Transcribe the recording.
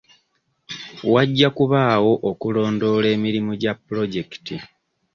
Wajja kubaawo okulondoola emirimu gya pulojekiti